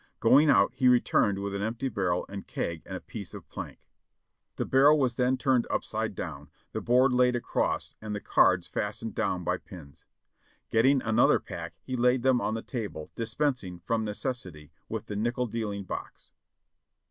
Going out, he re turned with an empty barrel and keg and a piece of plank. The barrel was then turned upside down, the board laid across and the cards fastened down by pins. Getting another pack he laid them on the table, dispensing, from necessity, with the nickel dealing box.